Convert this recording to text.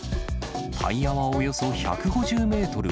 タイヤはおよそ１５０メートル